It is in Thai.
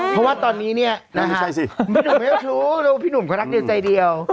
เพราะว่าตอนนี้เนี่ยพี่หนุ่มไม่รู้พี่หนุ่มก็รักเดียวใจเดียว